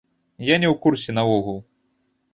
Я не ў курсе наогул.